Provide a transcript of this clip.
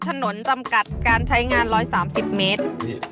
จำกัดการใช้งาน๑๓๐เมตร